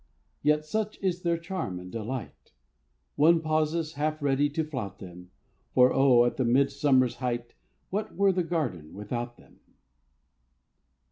Yet such is their charm and delight, One pauses, half ready to flout them; For O, at the mid summer's height, What were the garden without them?